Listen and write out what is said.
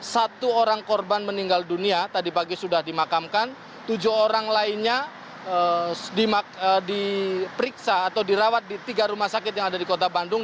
satu orang korban meninggal dunia tadi pagi sudah dimakamkan tujuh orang lainnya diperiksa atau dirawat di tiga rumah sakit yang ada di kota bandung